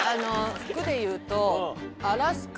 服でいうと。